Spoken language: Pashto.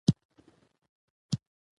مسلمانان په کې راټولېږي.